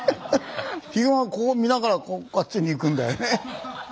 ヒグマはこう見ながらあっちに行くんだよね。